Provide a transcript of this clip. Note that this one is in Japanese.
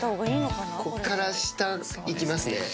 こっから下、いきますね。